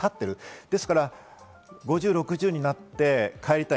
ですから５０６０になって帰りたい。